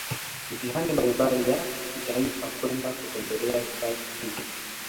mitihani mbalimbali ya kitaifa kwenda kutembelea Hifadhi hizo